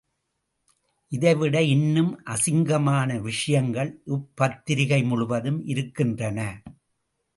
இதைவிட இன்னும் அசிங்கமான விஷயங்கள் இப்பத்திரிகை முழுவதும் இருக்கின்றன.